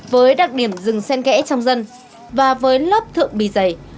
với đặc điểm rừng sen kẽ trong dân và với lớp thượng bì dày